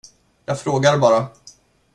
Jag frågar bara.